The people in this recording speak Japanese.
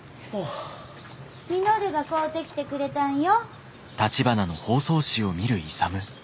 稔が買うてきてくれたんよ。